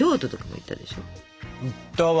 行ったわ。